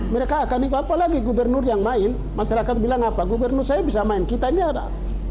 mereka akan apalagi gubernur yang main masyarakat bilang apa gubernur saya bisa main kita ini harap